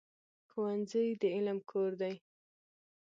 ښوونځی د علم کور دی.